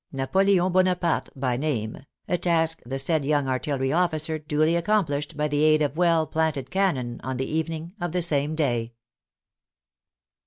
Napoleon Bonaparte by name, a task the said young artillery officer duly accomplished by the aid of well planted cannon on the evening of the same day.